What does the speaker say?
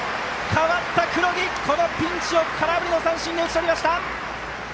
代わった黒木このピンチを空振り三振に打ち取りました！